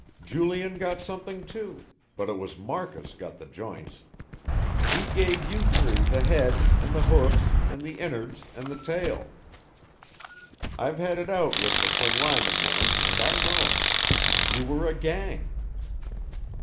Julian got something too, but it was Marcus got the joints. He gave you three the head, and the hoofs, and the innards, and the tail. I've had it out with the Plinlimon woman and I know. You were a gang."